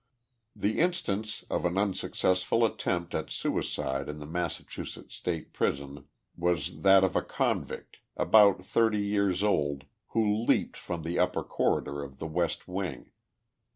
The instance of an unsuccessful attempt at suicide in the Massachusetts State Prison was that of a convict, about thirty years old, who leaped from the upper corridor of the west wing.